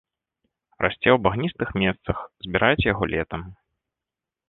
Расце ў багністых месцах, збіраюць яго летам.